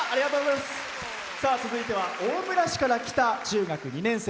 続いては大村市から来た中学２年生。